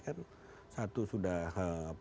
kan satu sudah